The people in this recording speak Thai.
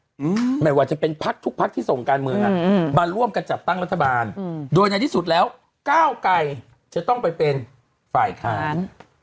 อืมไม่ว่าจะเป็นพักทุกพักที่ส่งการเมืองอ่ะอืมมาร่วมกันจัดตั้งรัฐบาลอืมโดยในที่สุดแล้วก้าวไกรจะต้องไปเป็นฝ่ายค้าน